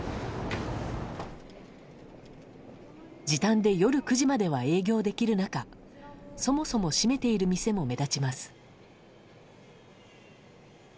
時短で夜９時までは営業できる中そもそも閉めている店も目立ちます。